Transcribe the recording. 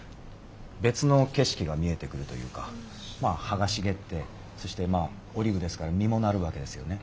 別の景色が見えてくるというか葉が茂ってそしてオリーブですから実もなるわけですよね。